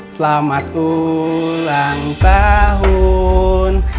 selamat ulang tahun